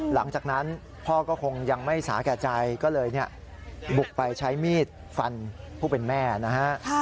หลังจากนั้นพ่อก็คงยังไม่สาแก่ใจก็เลยบุกไปใช้มีดฟันผู้เป็นแม่นะฮะ